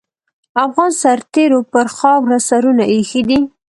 افغان سرتېرو پر خاوره سرونه اېښي دي.